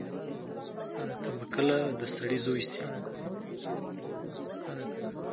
ته به کله د سړی زوی سې.